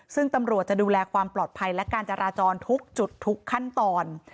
ซึ่งตำรวจจะดูแลความปลอดภัยและการจราจรทุกจุดทุกขั้นตอน